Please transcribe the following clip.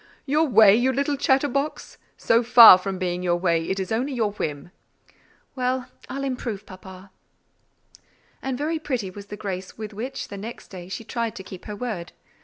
"Your way, you little chatter box? So far from being your way, it is only your whim!" "Well, I'll improve, papa." And very pretty was the grace with which, the next day, she tried to keep her word.